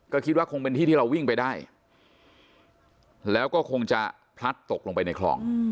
ก็คิดว่าคงเป็นที่ที่เราวิ่งไปได้แล้วก็คงจะพลัดตกลงไปในคลอง